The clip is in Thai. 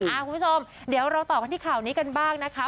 แล้วคุณผู้ชมเดี๋ยวเราตอบค้าที่ข้าวนี้กันบ้างนะคะ